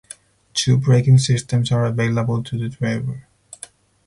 Two braking systems are available to the driver.